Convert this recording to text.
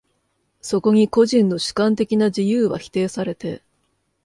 そこに個人の主観的な自由は否定されて、